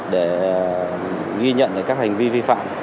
để ghi nhận các hành vi vi phạm